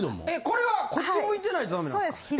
これはこっち向いてないとダメなんですか？